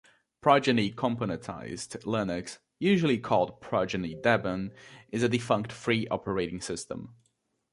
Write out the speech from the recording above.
"Progeny Componentized Linux", usually called "Progeny Debian", is a defunct free operating system.